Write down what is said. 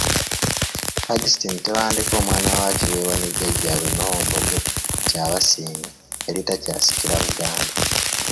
Augustine Tebandeke omwana wa Kiweewa ne jjaajjaabwe Noho Mbogo Kyabasinga eyali takyasikira Buganda.